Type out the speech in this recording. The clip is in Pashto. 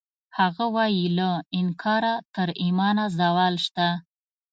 هغه وایی له انکاره تر ایمانه زوال شته